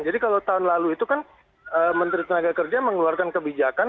jadi kalau tahun lalu itu kan menteri tenaga kerja mengeluarkan kebijakan